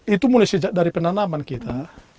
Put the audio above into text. itu mulai dari penanaman kita